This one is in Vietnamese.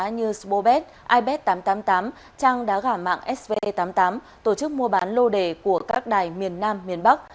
như spobet ipad tám trăm tám mươi tám trang đá gả mạng sv tám mươi tám tổ chức mua bán lô đề của các đài miền nam miền bắc